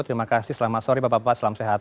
terima kasih selamat sore bapak bapak selamat sehat